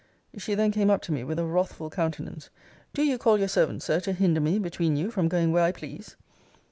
She then came up to me with a wrathful countenance: do you call your servant, Sir, to hinder me, between you, from going where I please?